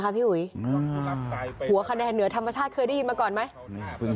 พี่อุ๋ยหัวคะแนนเหนือธรรมชาติเคยได้ยินมาก่อนไหม